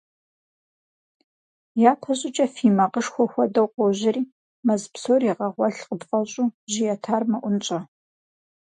Япэ щӀыкӀэ фий макъышхуэ хуэдэу къожьэри, мэз псор игъэгъуэлъ къыпфӀэщӀу, жьы етар мэӀунщӀэ.